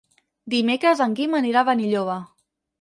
Dimecres en Guim anirà a Benilloba.